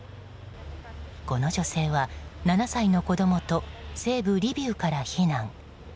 この女性は、７歳の子供と西部リビウから避難。